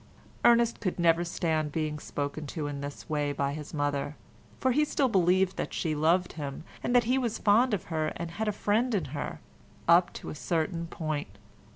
Ernest could never stand being spoken to in this way by his mother: for he still believed that she loved him, and that he was fond of her and had a friend in her—up to a certain point.